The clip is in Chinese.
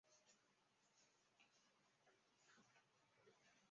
他在刘邦手下为谒者。